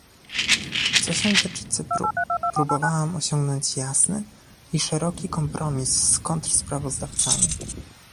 Co się tyczy Cypru, próbowałam osiągnąć jasny i szeroki kompromis z kontrsprawozdawcami